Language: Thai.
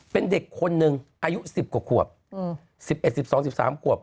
เป็นเด็กคนหนึ่งอายุ๑๐กว่าขวบ๑๑๑๒๑๓ขวบ